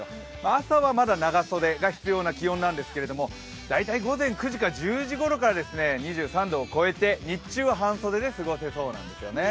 朝はまだ長袖が必要な気温なんですけれども、だいたい午前９時から１０時ごろから２３度を超えて日中は半袖で過ごせそうなんですよね。